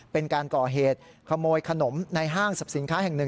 เป็นการก่อเหตุขโมยขนมในห้างสรรพสินค้าแห่งหนึ่ง